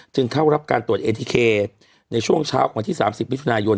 เข้ารับการตรวจเอทีเคในช่วงเช้าของวันที่๓๐มิถุนายน